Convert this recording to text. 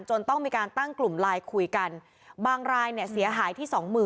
จนต้องมีการตั้งกลุ่มลายคุยกันบางลายเนี่ยเสียหายที่๒๐๐๐๐